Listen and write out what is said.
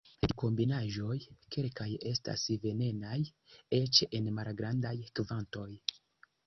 El tiuj kombinaĵoj, kelkaj estas venenaj, eĉ en malgrandaj kvantoj.